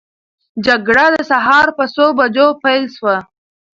جګړه د سهار په څو بجو پیل سوه؟